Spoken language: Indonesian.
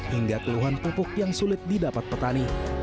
hingga keluhan pupuk yang sulit didapat petani